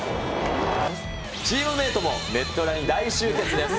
チームメートもネット裏に大集結です。